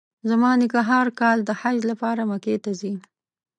زما نیکه هر کال د حج لپاره مکې ته ځي.